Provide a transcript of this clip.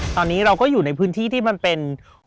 ตอนนี้เราก็อยู่ในพื้นที่ที่มันเป็น